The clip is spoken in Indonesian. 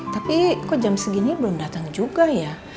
tapi kok jam segini belum datang juga ya